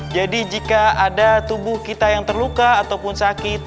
jadi jika ada tubuh kita yang terluka ataupun sakit